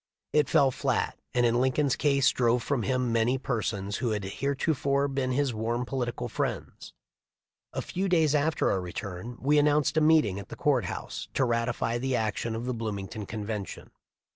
It fell flat, and in Lincoln's case drove from him many per sons who had heretofore been his warm political friends. A few days after our return we announced a meeting at the court house to ratify the action of the Bloomington convention.